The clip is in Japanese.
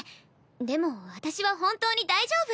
でも私は本当に大丈夫。